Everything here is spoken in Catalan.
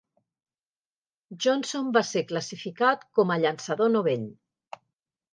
Johnson va ser classificat com a llançador novell.